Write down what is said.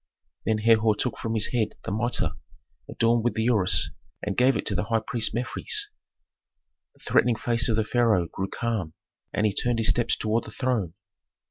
Then Herhor took from his head the mitre adorned with the ureus, and gave it to the high priest Mefres. The threatening face of the pharaoh grew calm, and he turned his steps toward the throne.